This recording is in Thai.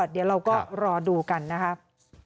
เดี๋ยวเราก็รอดูกันนะครับ